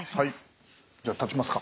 じゃあ立ちますか。